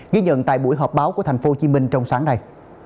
ghi nhận tại buổi họp báo của tp hcm trong sáng nay